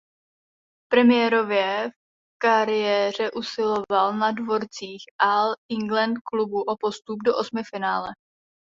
Premiérově v kariéře usiloval na dvorcích All England Clubu o postup do osmifinále.